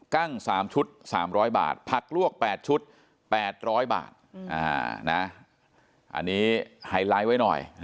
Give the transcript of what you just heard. ั้ง๓ชุด๓๐๐บาทผักลวก๘ชุด๘๐๐บาทอันนี้ไฮไลท์ไว้หน่อย